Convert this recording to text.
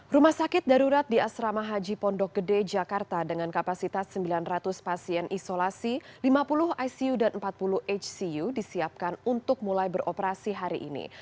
rumah sakit darurat di asrama haji pondok gede jakarta dengan kapasitas sembilan ratus pasien isolasi lima puluh icu dan empat puluh hcu disiapkan untuk mulai beroperasi hari ini